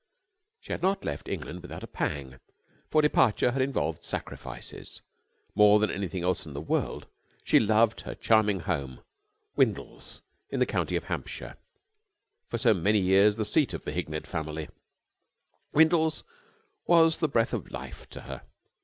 She had not left England without a pang, for departure had involved sacrifices. More than anything else in the world she loved her charming home, Windles, in the county of Hampshire, for so many years the seat of the Hignett family. Windles was as the breath of life to her.